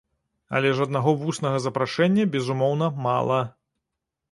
Але ж аднаго вуснага запрашэння, безумоўна, мала.